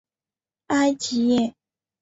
埃吉耶。